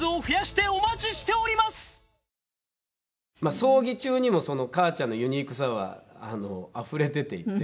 葬儀中にも母ちゃんのユニークさはあふれ出ていて。